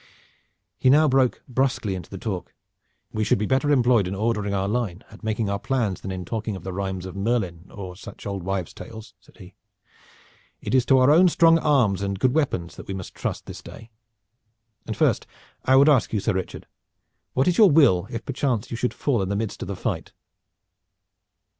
He new broke brusquely into the talk. "We should be better employed in ordering our line and making our plans than in talking of the rhymes of Merlin or such old wives' tales," said he. "It is to our own strong arms and good weapons that we must trust this day. And first I would ask you, Sir Richard, what is your will if perchance you should fall in the midst of the fight?"